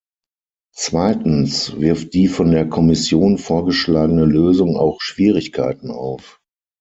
Zweitens wirft die von der Kommission vorgeschlagene Lösung auch Schwierigkeiten auf.